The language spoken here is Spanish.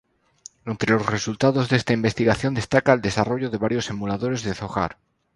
Entre los resultados de esta investigación destaca el desarrollo de varios Emuladores de Zohar.